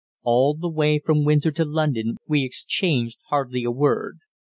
All the way from Windsor to London we exchanged hardly a word.